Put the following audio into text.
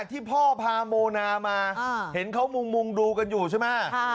ที่พ่อพาโมนามาเห็นเขามุงดูกันอยู่ใช่ไหม